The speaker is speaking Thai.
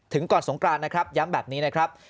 ก่อนสงกรานนะครับย้ำแบบนี้นะครับ